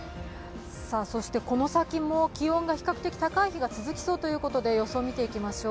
そしてこの先も気温が比較的高い日が続きそうということで予想を見ていきましょう。